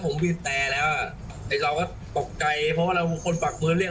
ผมบีบแตรแล้วไอ้เราก็ตกใจเพราะว่าเราเป็นคนปากเบิร์นเรียก